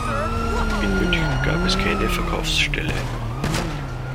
In München gab es keine Verkaufsstelle.